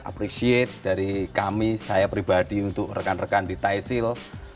appreciate dari kami saya pribadi untuk rekan rekan di thaisel